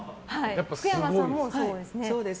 福山さんもそうですね。